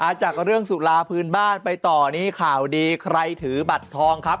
จากเรื่องสุราพื้นบ้านไปต่อนี้ข่าวดีใครถือบัตรทองครับ